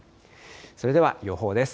それでは予報です。